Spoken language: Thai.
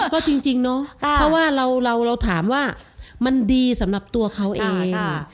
ก็จริงเนาะเพราะว่าเราถามว่ามันดีสำหรับตัวเขาเอง